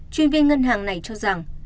chuyên viên ngân hàng này cho rằng